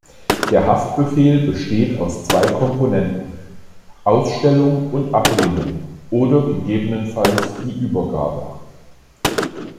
Der Haftbefehl besteht aus zwei Komponenten: Ausstellung und Ablehnung oder gegebenenfalls die Übergabe.